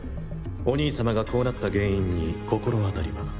お兄様がこうなった原因に心当たりは？